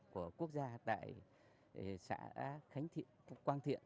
của quốc gia tại xã quang thiện